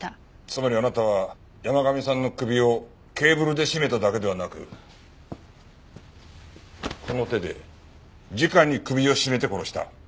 つまりあなたは山神さんの首をケーブルで絞めただけではなくこの手でじかに首を絞めて殺した。